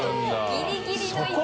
ギリギリの位置。